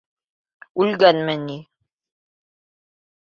Үлгәнме ни?